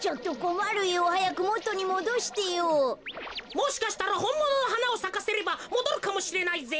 もしかしたらほんもののはなをさかせればもどるかもしれないぜ。